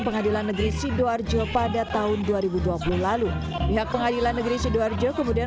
pengadilan negeri sidoarjo pada tahun dua ribu dua puluh lalu pihak pengadilan negeri sidoarjo kemudian